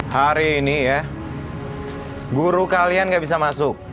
hari ini ya guru kalian nggak bisa masuk